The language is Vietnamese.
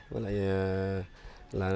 với lại là